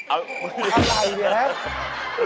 อะไรญี่แรก